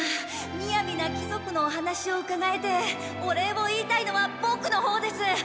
みやびな貴族のお話をうかがえてお礼を言いたいのはボクのほうです。